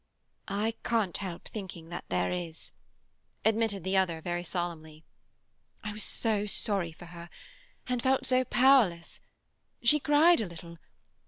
"I can't help thinking there is," admitted the other very solemnly. "I was so sorry for her, and felt so powerless. She cried a little.